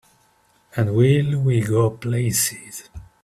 And will we go places!